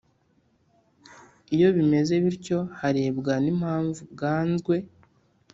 Iyo bigenze bityo harebwa n’impamvu bwanzwe